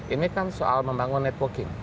ini kan soal membangun networking